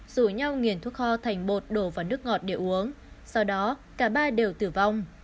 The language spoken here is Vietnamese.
rủ nhau nghiền thuốc kho thành bột đổ vào nước ngọt để uống sau đó cả ba đều tử vong